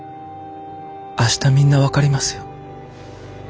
明日みんな分かりますよ。